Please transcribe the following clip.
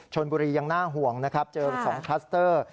ชนบุรียังน่าห่วงนะครับเจอ๒คลัสเตอร์